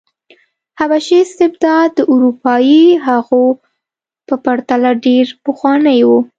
حبشي استبداد د اروپايي هغو په پرتله ډېر پخوانی و.